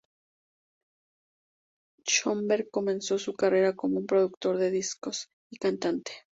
Schönberg comenzó su carrera como un productor de discos y cantante.